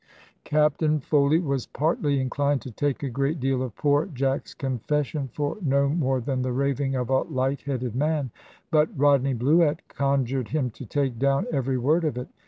Captain Foley was partly inclined to take a great deal of poor Jack's confession for no more than the raving of a light headed man; but Rodney Bluett conjured him to take down every word of it.